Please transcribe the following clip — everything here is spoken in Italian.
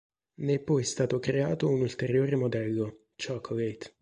Ne è poi stato creato un ulteriore modello, "Chocolate".